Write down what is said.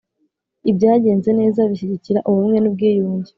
Ibyagenze neza bishyigikira ubumwe n ubwiyunge.